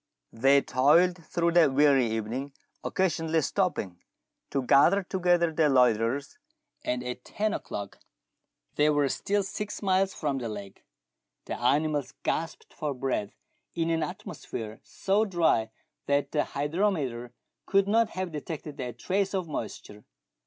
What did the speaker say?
They toiled through the weary evening, occasionally stopping to gather together the loiterers, and at ten o'clock they were still six miles from the lake. The animals gasped for breath in an atmo sphere so dry that the hygrometer could not have detected a trace of moisture.